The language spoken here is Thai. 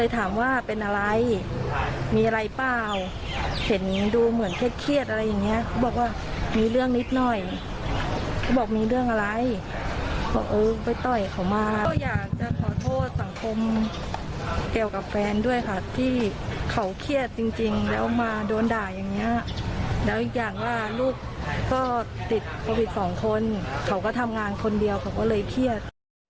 ติดโควิด๒คนเขาก็ทำงานคนเดียวเขาก็เลยเครียด